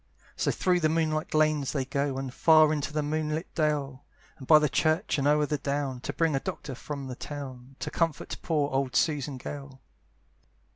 So through the moonlight lanes they go, And far into the moonlight dale, And by the church, and o'er the down, To bring a doctor from the town, To comfort poor old Susan Gale.